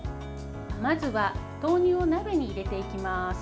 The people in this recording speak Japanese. まずは豆乳を鍋に入れていきます。